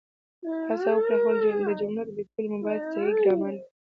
هڅه وکړئ د جملو لیکل مو باید صحیح ګرامري وي